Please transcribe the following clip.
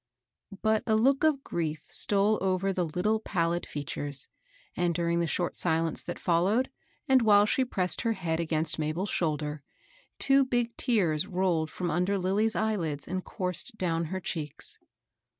But a look of grief stole over the little pallid features, and, during the short silence that followed, and while she pressed her head against Mabel's shoulder, two big tears rolled from under Lilly's eyelids and coursed down her cheeks.